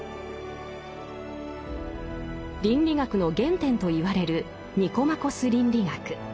倫理学の原点と言われる「ニコマコス倫理学」。